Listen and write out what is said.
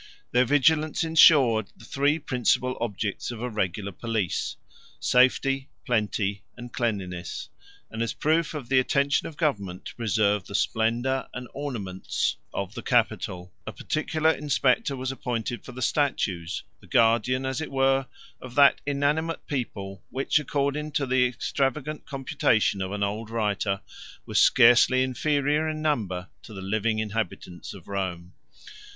Their vigilance insured the three principal objects of a regular police, safety, plenty, and cleanliness; and as a proof of the attention of government to preserve the splendor and ornaments of the capital, a particular inspector was appointed for the statues; the guardian, as it were, of that inanimate people, which, according to the extravagant computation of an old writer, was scarcely inferior in number to the living inhabitants of Rome.